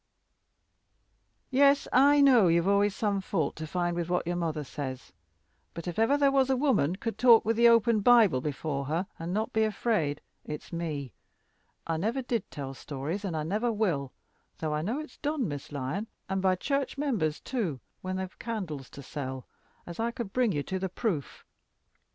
"Yes, I know you've always some fault to find with what your mother says. But if ever there was a woman could talk with the open Bible before her, and not be afraid, it's me. I never did tell stories, and I never will though I know it's done, Miss Lyon, and by church members too, when they have candles to sell, as I could bring you to the proof.